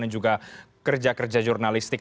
dan juga kerja kerja jurnalistik